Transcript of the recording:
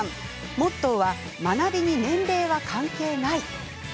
モットーは学びに年齢は関係ない。